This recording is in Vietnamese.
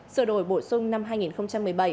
sửa đổi bổ sung năm hai nghìn một mươi bảy